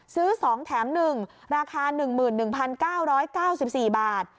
ซื้อ๒แถม๑ราคา๑๑๙๙๔บาท